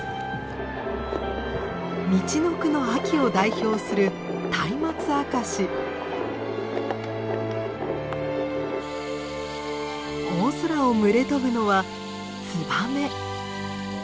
みちのくの秋を代表する大空を群れ飛ぶのはツバメ。